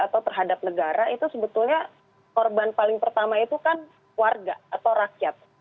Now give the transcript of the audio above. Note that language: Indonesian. atau terhadap negara itu sebetulnya korban paling pertama itu kan warga atau rakyat